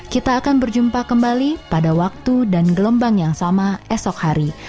kita akan berjumpa kembali pada waktu dan gelombang yang sama esok hari